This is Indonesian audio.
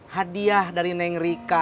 hadiah dari neng rika